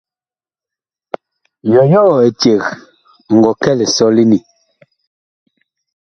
Yɔyɔɔ eceg ɔ ngɔ kɛ lisɔlene ?